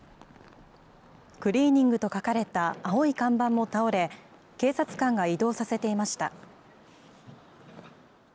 クリーニングと書かれた青い看板も倒れ、警察官が移動させていました。